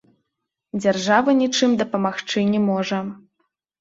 Дзяржава нічым дапамагчы не можа.